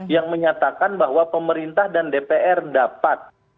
yang menyatakan bahwa pemerintah dan dpr dapat